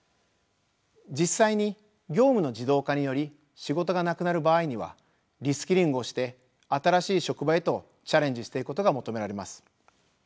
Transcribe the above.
実際に業務の自動化により仕事がなくなる場合にはリスキリングをして新しい職場へとチャレンジしていくことが求められます。